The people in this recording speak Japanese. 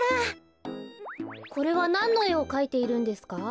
これはなんのえをかいているんですか？